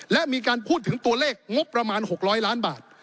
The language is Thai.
และมีการพูดถึงตัวเลขงบประมาณ๖๐๐ล้านบาท